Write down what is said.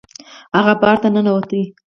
هغه بار ته ننوت.